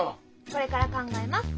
これから考えます。